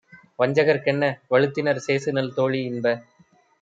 வஞ்சகர்க் கென்ன வழுத்தினர் சேசுநல் தோழி - இன்ப